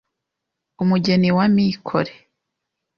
Umugeni wa Mikore